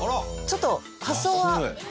ちょっと発想は発想は。